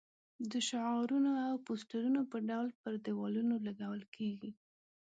د شعارونو او پوسټرونو په ډول پر دېوالونو لګول کېږي.